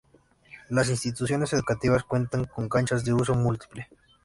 Las instituciones educativas cuentan con canchas de usos múltiples.